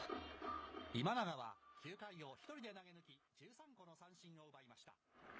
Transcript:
今永は９回を１人で投げ抜き、１３個の三振を奪いました。